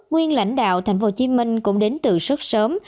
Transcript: nguyên lãnh đạo tp hcm cũng đến từ rất sớm